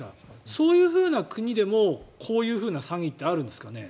そういうふうな国でもこういうふうな詐欺ってあるんですかね。